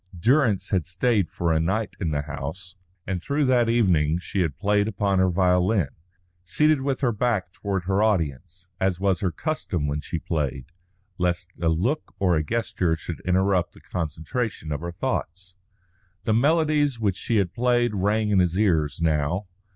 Durrance had stayed for a night in the house, and through that evening she had played upon her violin, seated with her back toward her audience, as was her custom when she played, lest a look or a gesture should interrupt the concentration of her thoughts. The melodies which she had played rang in his ears now.